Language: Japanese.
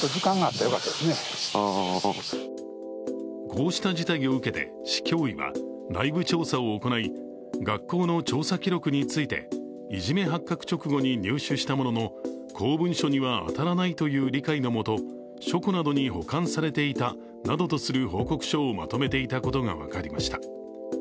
こうした事態を受けて市教委は内部調査を行い、学校の調査記録についていじめ発覚直後に入手したものの公文書には当たらないという理解の下、書庫などに保管されていたなどとする報告書をまとめていたことが分かりました。